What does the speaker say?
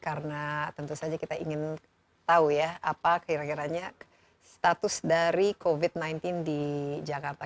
karena tentu saja kita ingin tahu ya apa kira kiranya status dari covid sembilan belas di jakarta